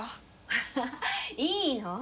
ハハハいいの？